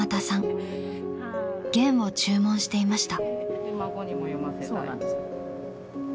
『ゲン』を注文していました。